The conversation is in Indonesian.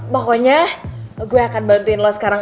pokoknya gue akan bantuin lo sekarang